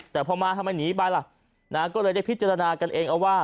แต่พอมาทำไมหนีไปล่ะก็เลยได้พิจารณากันเองเอาว่า